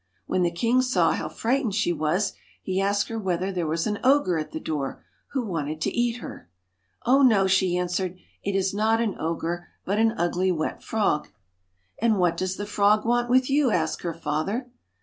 When the king saw how frightened she was, he asked her whether there was an ogre at the door, who wanted to eat her. * Oh, no !' she answered ;' it is not an ogre, but an ugly wet frog.' 4 And what does the frog want with you ?' asked her father.